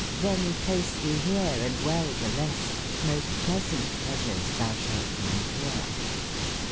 then place the here, and well the rest, JMost pleasaunt pleasures tbcu sbaltefinde here.